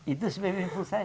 itu semenitku saya